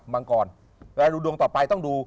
มังกรและดวงต่อไปต้องดู